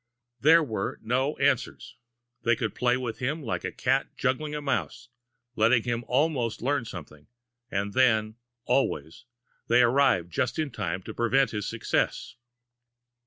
There were no answers. They could play with him, like a cat juggling a mouse, letting him almost learn something and then, always, they arrived just in time to prevent his success!